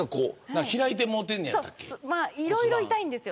いろいろ痛いんですよ。